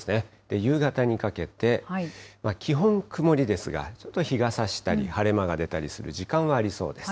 夕方にかけて、基本曇りですが、ちょっと日がさしたり、晴れ間が出たりする時間はありそうです。